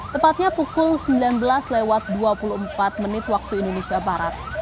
tepatnya pukul sembilan belas lewat dua puluh empat menit waktu indonesia barat